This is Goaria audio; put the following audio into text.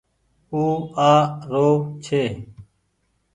او آ رو ڇي